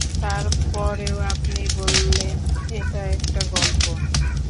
তার পরেও আপনি বললেন এটা একটা গল্প?